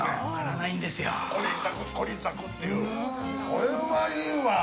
これはいいわ。